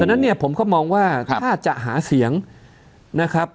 นั้นเนี่ยผมก็มองว่าถ้าจะหาเสียงนะครับ